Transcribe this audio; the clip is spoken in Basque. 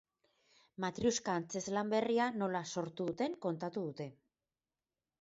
Matriuska antzezlan berria nola sortu duten kontatu dute.